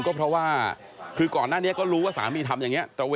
ก็เพราะว่าคือก่อนหน้าเนี้ยก็รู้ว่าสามีธรรมแบบนี้